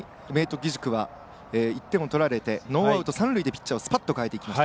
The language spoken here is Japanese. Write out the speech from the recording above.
義塾は１点を取られてノーアウト、三塁でピッチャーをスパッと代えてきました。